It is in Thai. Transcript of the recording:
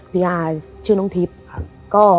พี่อาร์ชื่อน้องทิพย์